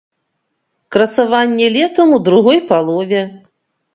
Красаванне летам ў другой палове.